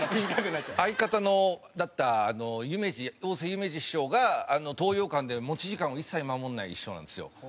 相方だったゆめじ大瀬ゆめじ師匠が東洋館で持ち時間を一切守らない師匠なんですよ。